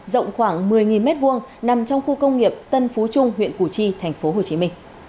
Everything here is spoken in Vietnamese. rộng khoảng một mươi m hai nằm trong khu công nghiệp tân phú trung huyện củ chi tp hcm